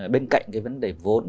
bên cạnh cái vấn đề vốn